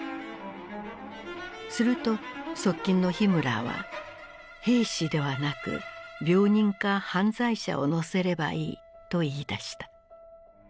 すると側近のヒムラーは「兵士ではなく病人か犯罪者を乗せればいい」と言いだした。